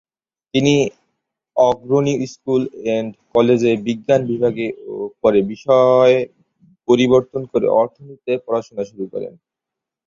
তিনি Agrani school and কলেজে বিজ্ঞান বিভাগে ও পরে বিষয় পরিবর্তন করে অর্থনীতিতে পড়াশুনা করেন।